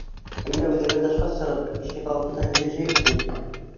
Әллә үҙебеҙ тышҡа сығып, ишек алдында һөйләшәйекме?